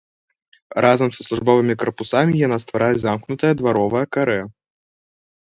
Разам са службовымі карпусамі яна стварае замкнутае дваровае карэ.